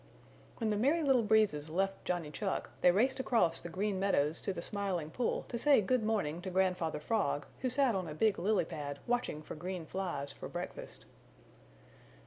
When the Merry Little Breezes left Johnny Chuck they raced across the Green Meadows to the Smiling Pool to say good morning to Grandfather Frog who sat on a big lily pad watching for green flies for breakfast.